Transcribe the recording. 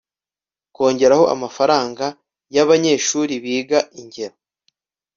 kongeraho amafaranga yabanyeshuri bigaingero